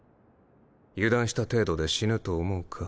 油断した程度で死ぬと思うか？